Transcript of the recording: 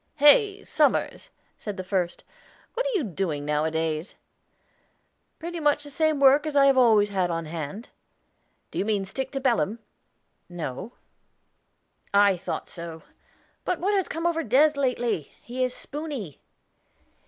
"Hey, Somers," said the first; "what are you doing nowadays?" "Pretty much the same work that I always have on hand." "Do you mean to stick to Belem?" "No." "I thought so. But what has come over Des. lately? He is spoony."